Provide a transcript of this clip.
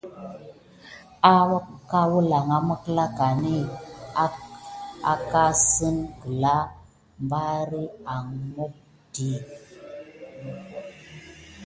Arga wəlanga mekklakan ka kəssengen gla berya an moka.